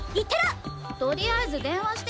とりあえず電話してみたら？